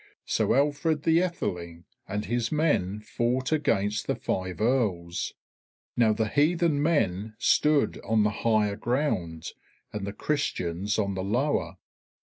So Alfred the Aetheling and his men fought against the five Earls. Now the heathen men stood on the higher ground and the Christians on the lower.